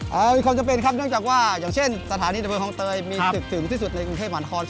มีความจำเป็นครับเนื่องจากว่าอย่างเช่นสถานีตำรวจคลองเตยมีศึกถึงที่สุดในกรุงเทพหมานคร